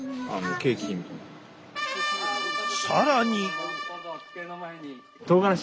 更に。